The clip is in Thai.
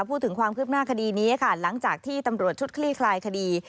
พูดถึงความคืบหน้าคดีนี้ค่ะหลังจากที่ตำรวจชุดคลี่คลายคดี